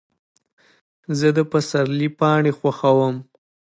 زه د پسرلي پاڼې خوښوم.